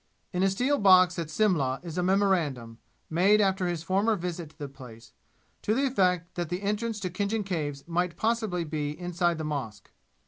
In a steel box at Simla is a memorandum, made after his former visit to the place, to the effect that the entrance into Khinjan Caves might possibly be inside the mosque.